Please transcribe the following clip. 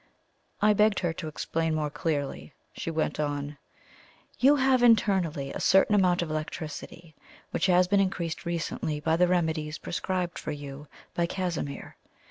I begged her to explain more clearly. She went on: "You have internally a certain amount of electricity, which has been increased recently by the remedies prescribed for you by Casimir.